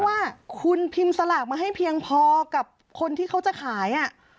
ว่าคุณพิมพ์สลากมาให้เพียงพอกับคนที่เขาจะขาย